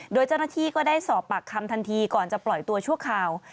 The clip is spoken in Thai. โดยเจ้าหน้าที่ก็ได้สอบปากคำทันทีก่อนจะปล่อยตัวชั่วคราว